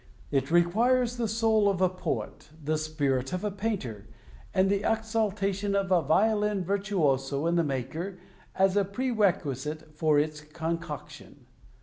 It requires the soul of a poet, the spirit of a painter, and the exaltation of a violin virtuoso in the maker as a pre requisite for its concoction.